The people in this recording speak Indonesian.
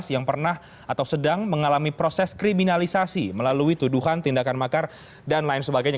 yang pernah atau sedang mengalami proses kriminalisasi melalui tuduhan tindakan makar dan lain sebagainya